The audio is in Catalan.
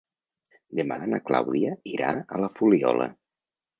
Demà na Clàudia irà a la Fuliola.